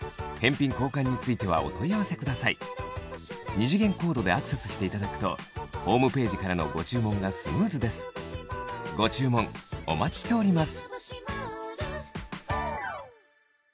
二次元コードでアクセスしていただくとホームページからのご注文がスムーズですご注文お待ちしております